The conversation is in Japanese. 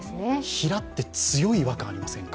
ひらって強い違和感ありませんか。